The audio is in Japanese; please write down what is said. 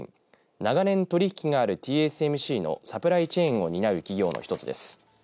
長年取り引きがあるＴＳＭＣのサプライチェーンを担う企業の一つです。